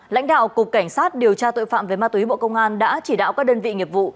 lãnh đạo cục cảnh sát điều tra tội phạm về ma túy bộ công an đã chỉ đạo các đơn vị nghiệp vụ